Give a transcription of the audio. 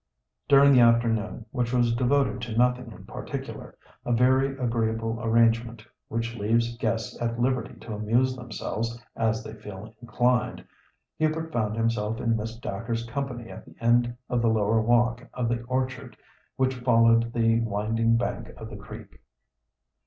During the afternoon, which was devoted to nothing in particular, a very agreeable arrangement which leaves guests at liberty to amuse themselves as they feel inclined, Hubert found himself in Miss Dacre's company at the end of the lower walk of the orchard which followed the winding bank of the creek.